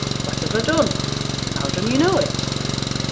what have I done? how dun you know it?'